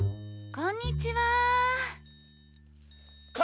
こんにちは！